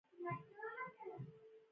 اوس مصنوعي چمنونه هم جوړ شوي دي.